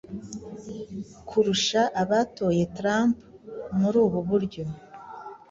kurusha abatoye Trump.muri ububuryo